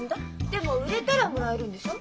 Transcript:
でも売れたらもらえるんでしょ？